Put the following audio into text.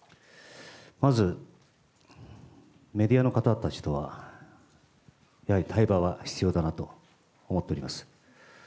まず、メディアの方たちとは、やはり対話は必要だなと思っております。